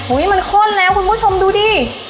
มันข้นแล้วคุณผู้ชมดูดิ